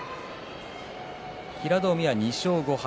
平戸海は２勝５敗。